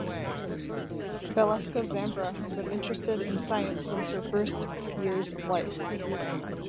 Valeska Zambra has been interested in science since her her first years of life.